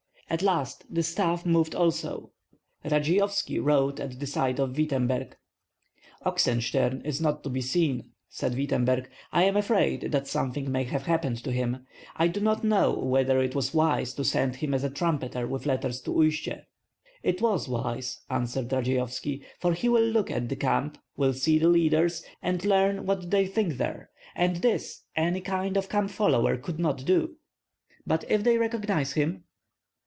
At last the staff moved also. Radzeyovski rode at the side of Wittemberg. "Oxenstiern is not to be seen," said Wittemberg. "I am afraid that something may have happened to him. I do not know whether it was wise to send him as a trumpeter with letters to Uistsie." "It was wise," answered Radzeyovski, "for he will look at the camp, will see the leaders, and learn what they think there; and this any kind of camp follower could not do." "But if they recognize him?"